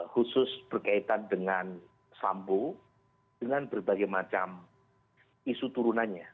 khusus berkaitan dengan sambo dengan berbagai macam isu turunannya